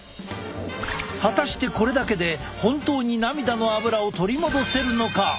果たしてこれだけで本当に涙のアブラを取り戻せるのか！？